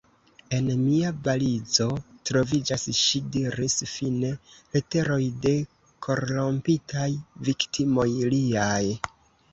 En mia valizo troviĝas, ŝi diris fine, leteroj de korrompitaj viktimoj liaj.